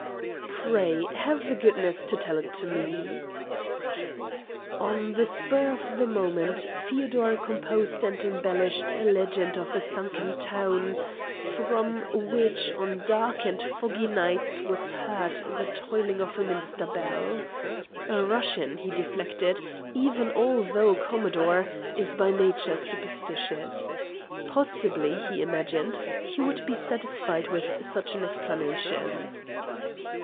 "Pray have the goodness to tell it me." On the spur of the moment Feodor composed and embellished a legend of a sunken town, from which on dark and foggy nights was heard the tolling of a minster bell. A Russian, he reflected, even although a commodore, is by nature superstitious. Possibly, he imagined, he would be satisfied with such an explanation.